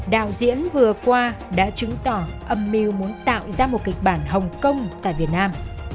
đạo diễn vừa qua đã chứng tỏ âm mưu muốn tạo ra một kịch bản hồng kông tại việt nam